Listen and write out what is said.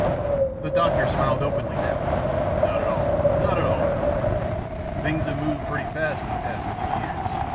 The doctor smiled openly now, "Not at all, not at all. Things have moved pretty fast in the past few years.